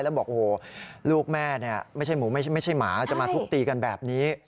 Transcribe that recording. แล้วบอกโอ้โหลูกแม่ไม่ใช่หมูไม่ใช่หมาจะมาทุบตีกันแบบนี้